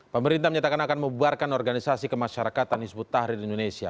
pemerintah menyatakan akan membuarkan organisasi kemasyarakatan hizbut tahrir indonesia